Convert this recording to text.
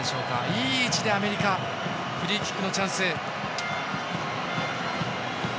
いい位置で、アメリカフリーキックのチャンス。